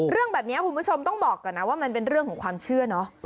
เรื่องแบบนี้คุณผู้ชมต้องบอกก่อนนะว่ามันเป็นเรื่องของความเชื่อเนอะ